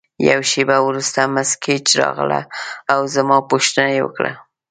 یوه شیبه وروسته مس ګیج راغله او زما پوښتنه یې وکړه.